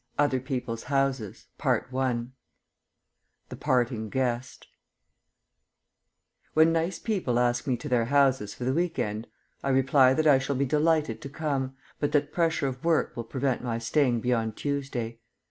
OTHER PEOPLE'S HOUSES THE PARTING GUEST When nice people ask me to their houses for the week end, I reply that I shall be delighted to come, but that pressure of work will prevent my staying beyond Tuesday.